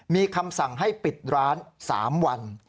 มีคำสั่งให้ปิดร้าน๓วัน